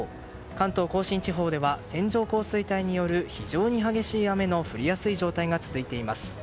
関東・甲信地方では線状降水帯による非常に激しい雨の降りやすい状態が続いています。